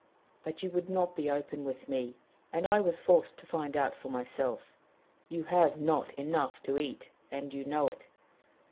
But you would not be open with me, and I was forced to find out for myself: you have not enough to eat, and you know it.